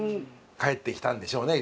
帰ってきたんでしょうね。